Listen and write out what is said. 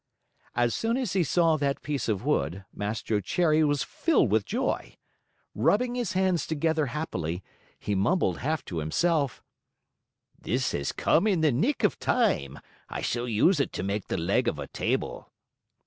As soon as he saw that piece of wood, Mastro Cherry was filled with joy. Rubbing his hands together happily, he mumbled half to himself: "This has come in the nick of time. I shall use it to make the leg of a table."